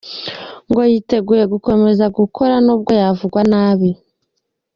Ngo yiteguye gukomeza gukora nubwo yavugwa nabi.